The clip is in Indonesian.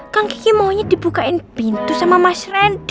kang kiki maunya dibukain pintu sama mas randy